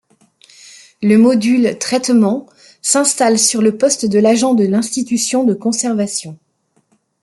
Le module Traitement s’installe sur le poste de l’agent de l’institution de conservation.